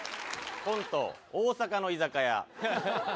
コント、大阪の居酒屋。